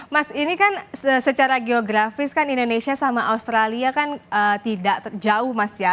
mas ini kan secara geografis kan indonesia sama australia kan tidak jauh mas ya